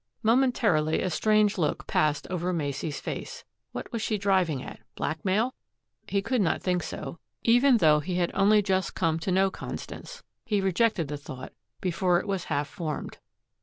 Momentarily, a strange look passed over Macey's face. What was she driving at blackmail? He could not think so, even though he had only just come to know Constance. He rejected the thought before it was half formed.